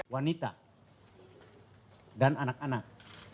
wanita dan anak anak